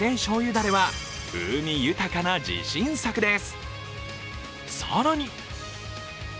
だれは風味豊かな自信作です。